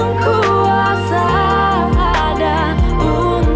gak apa apa ya ridin